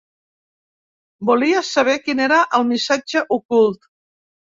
Volia saber quin era el missatge ocult.